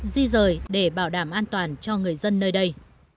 di rời để bảo đảm an toàn cho người dân nơi đây